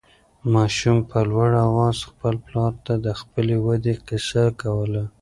ماشوم په لوړ اواز خپل پلار ته د خپلې ودې قصه کوله.